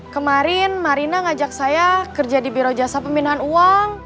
kemarin marina ngajak saya kerja di biro jasa pembinaan uang